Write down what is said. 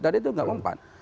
tadi itu gak mempan